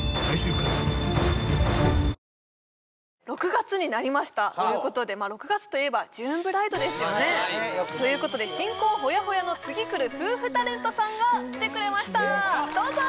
６月になりましたということで６月といえばジューンブライドですよねということで新婚ホヤホヤの次くる夫婦タレントさんが来てくれましたどうぞ！